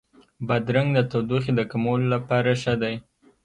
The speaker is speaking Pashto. بادرنګ د تودوخې د کمولو لپاره ښه دی.